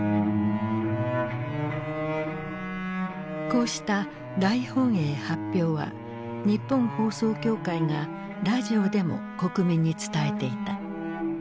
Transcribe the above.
こうした大本営発表は日本放送協会がラジオでも国民に伝えていた。